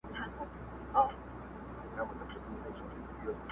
هر اندام يې دوو ټگانو وو ليدلى٫